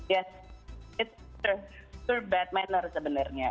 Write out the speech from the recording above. yes it's a pure bad manner sebenarnya